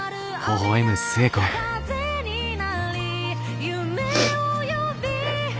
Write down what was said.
「風になり」「夢を呼び」